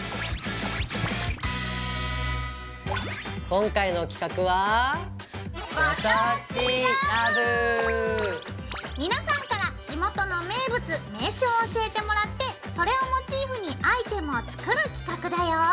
今回の企画は皆さんから地元の名物名所を教えてもらってそれをモチーフにアイテムを作る企画だよ。